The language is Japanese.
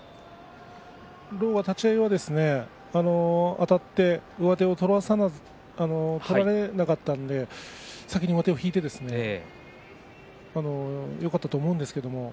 狼雅、立ち合いあたって上手を取れなかったので先に上手を引いてよかったと思うんですけどね